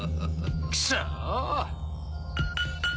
クソ。